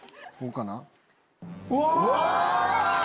うわ！